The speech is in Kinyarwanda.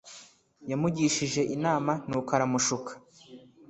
yamugishije inama nuko aramushuka